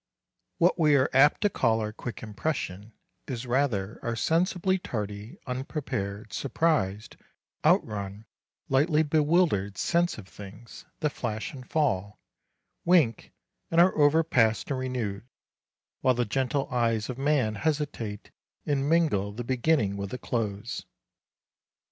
What we are apt to call our quick impression is rather our sensibly tardy, unprepared, surprised, outrun, lightly bewildered sense of things that flash and fall, wink, and are overpast and renewed, while the gentle eyes of man hesitate and mingle the beginning with the close.